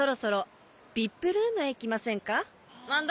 何だ？